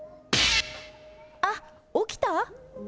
あっ、起きた？